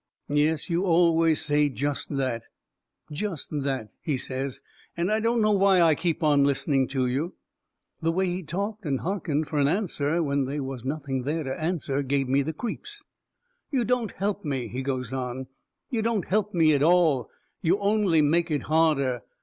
"Yes, you always say just that just that," he says. "And I don't know why I keep on listening to you." The way he talked, and harkened fur an answer, when they was nothing there to answer, give me the creeps. "You don't help me," he goes on, "you don't help me at all. You only make it harder.